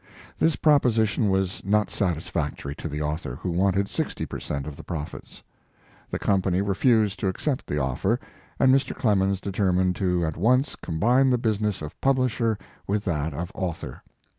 This proposition was not satisfac tory to the author, who wanted sixty per cent, of the profits. The Company re fused to accept the offer, and Mr. Clemens determined to at once combine the business of publisher with that of author.